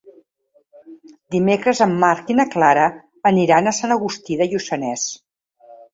Dimecres en Marc i na Clara aniran a Sant Agustí de Lluçanès.